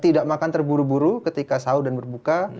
tidak makan terburu buru ketika sahur dan berbuka